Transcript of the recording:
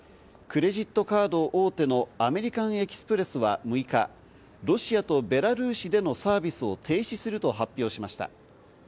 クレジットカード大手のアメリカン・エキスプレスは６日、ロシアとベラルーシでのサービスを停止すると発表しました。